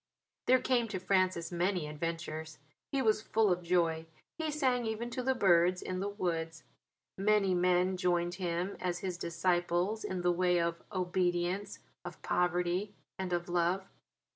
There came to Francis many adventures. He was full of joy; he sang even to the birds in the woods. Many men joined him as his disciples in the way of obedience, of poverty, and of love.